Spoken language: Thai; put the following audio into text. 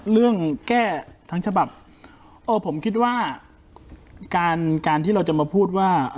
เรื่องแก้ทั้งฉบับเออผมคิดว่าการการที่เราจะมาพูดว่า